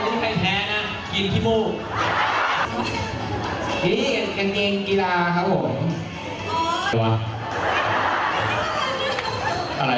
มันไม่มีใครอยากรู้ว่าที่หน่อย